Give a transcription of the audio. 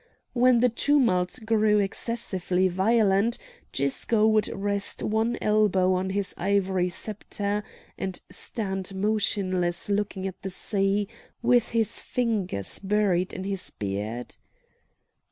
When the tumult grew excessively violent Gisco would rest one elbow on his ivory sceptre and stand motionless looking at the sea with his fingers buried in his beard.